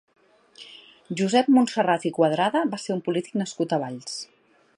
Josep Montserrat i Cuadrada va ser un polític nascut a Valls.